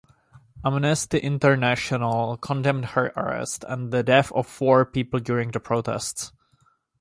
Amnesty International condemned her arrest and the death of four people during the protests.